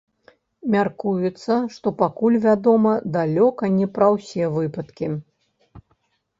Мяркуецца, што пакуль вядома далёка не пра ўсе выпадкі.